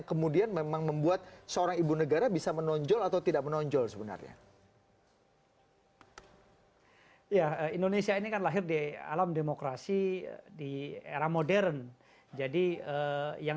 kami akan segera kemarin